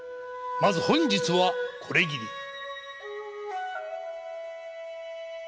まず本日はこれぎり。